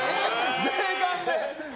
税関で。